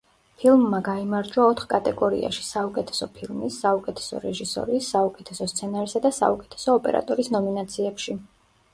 ფილმმა გაიმარჯვა ოთხ კატეგორიაში: საუკეთესო ფილმის, საუკეთესო რეჟისორის, საუკეთესო სცენარისა და საუკეთესო ოპერატორის ნომინაციებში.